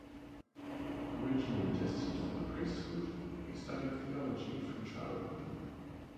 Originally destined for the priesthood, he studied theology from childhood.